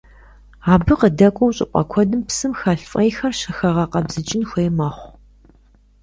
Абы къыдэкӀуэу щӀыпӀэ куэдым псым хэлъ фӀейхэр щыхэгъэкъэбзыкӀын хуей мэхъу.